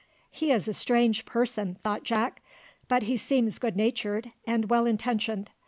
"He is a strange person," thought Jack, "but he seems good natured and well intentioned.